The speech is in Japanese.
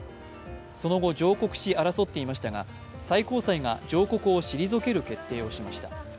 その後、上告し争っていましたが最高裁が上告を退ける決定をしました。